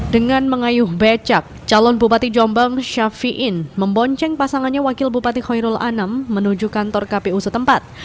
dengan mengayuh becak calon bupati jombang syafi'in membonceng pasangannya wakil bupati khoirul anam menuju kantor kpu setempat